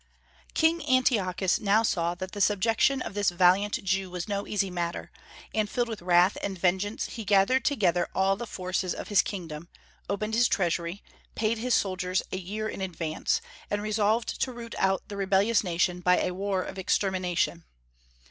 King Antiochus now saw that the subjection of this valiant Jew was no easy matter; and filled with wrath and vengeance he gathered together all the forces of his kingdom, opened his treasury, paid his soldiers a year in advance, and resolved to root out the rebellious nation by a war of extermination.